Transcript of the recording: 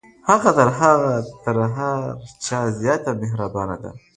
هغه تر هر چا زیاته مهربانه ده.